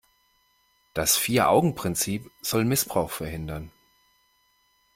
Das Vier-Augen-Prinzip soll Missbrauch verhindern.